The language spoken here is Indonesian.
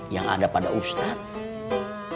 yang ada pada ustadz